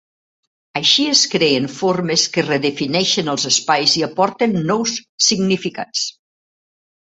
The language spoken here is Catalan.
Així es creen formes que redefineixen els espais i aporten nous significats.